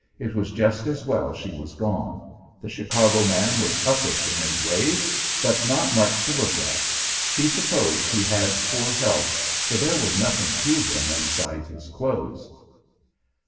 It was just as well she was gone. The Chicago man was uppish in his ways, but not much to look at. She supposed he had poor health, for there was nothing to him inside his clothes.